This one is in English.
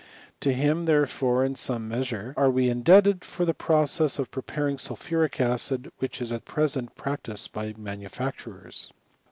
To him, therefore, in some measure, are we indebted for the process of preparing sulphuric acid which is at present practised by manufacturers.